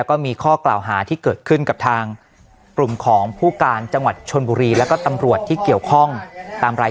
ก่อนที่ไปตรวจคนบ้านของในเป้วันที่๒๓พฤษภาคมช่วงบ่ายนะครับ